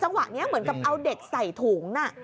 จังหวะนี้เหมือนกับเอาเด็กใส่ถุงน่ะ